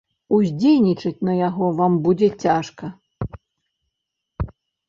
Уздзейнічаць на яго вам будзе цяжка.